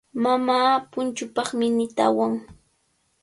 Mamaa punchuupaq minita awan.